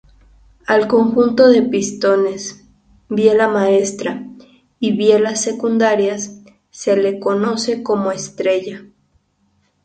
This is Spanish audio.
Al conjunto de pistones, biela maestra y bielas secundarias se le conoce como estrella.